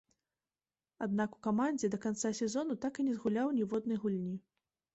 Аднак у камандзе да канца сезону так і не згуляў ніводнай гульні.